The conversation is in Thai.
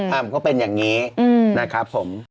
ก็เป็นอย่างนี้นะครับผม